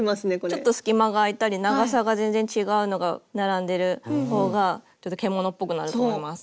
ちょっと隙間があいたり長さが全然違うのが並んでるほうがちょっと獣っぽくなると思います。